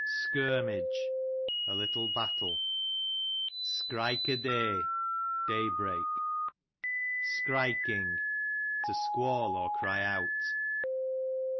Skirmidge, a little battle. Ski'ike o'dey, day break. Shrikeing, to squall, or cry out.